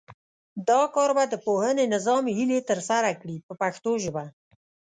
دا کار به د پوهنې نظام هیلې ترسره کړي په پښتو ژبه.